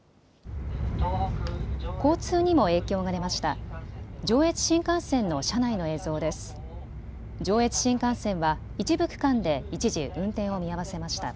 交通にも影響が出ました。